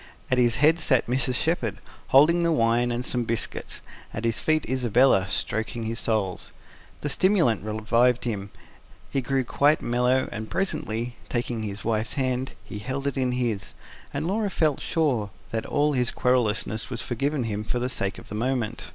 At his head sat Mrs. Shepherd, holding the wine and some biscuits; at his feet Isabella, stroking his soles. The stimulant revived him; he grew quite mellow, and presently, taking his wife's hand, he held it in his and Laura felt sure that all his querulousness was forgiven him for the sake of this moment.